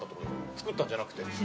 作ったんじゃなくて。